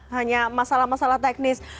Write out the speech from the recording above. hanya masalah masalah teknis